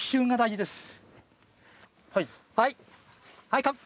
はい。